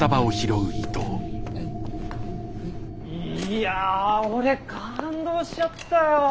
いや俺感動しちゃったよ。